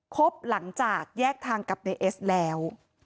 คบหลังจากแยกทางกับในเอสแล้ว